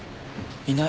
いない。